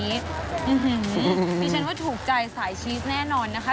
ดิฉันว่าถูกใจสายชีสแน่นอนนะคะ